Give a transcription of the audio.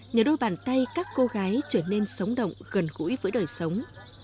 nhờ đôi bàn tay các cô gái trở nên sống động gần gũi với đời sống